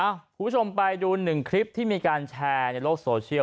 คุณผู้ชมไปดูหนึ่งคลิปที่มีการแชร์ในโลกโซเชียล